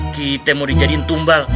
kita mau dijadiin tumbal